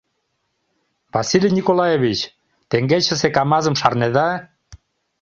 Василий Николаевич, теҥгечысе «КамАЗ»-ым шарнеда?